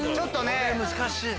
これ難しいな。